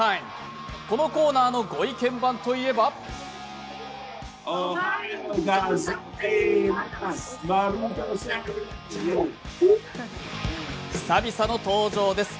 このコーナーのご意見番といえば久々の登場です！